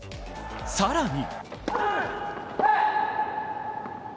さらに。